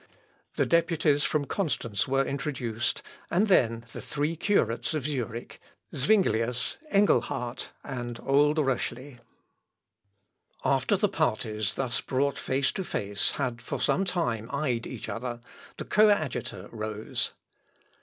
The deputies from Constance were introduced, and then the three curates of Zurich, Zuinglius, Engelhard, and old Röschli. After the parties thus brought face to face had for some time eyed each other, the coadjutor rose.